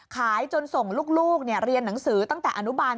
จนส่งลูกเรียนหนังสือตั้งแต่อนุบาล